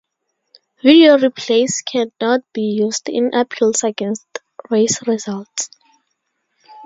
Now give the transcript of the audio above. Video replays cannot be used in appeals against race results.